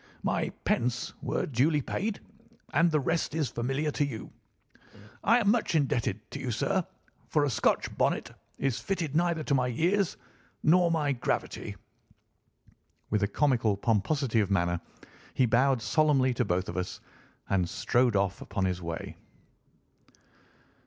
My pence were duly paid, and the rest is familiar to you. I am much indebted to you, sir, for a Scotch bonnet is fitted neither to my years nor my gravity." With a comical pomposity of manner he bowed solemnly to both of us and strode off upon his way.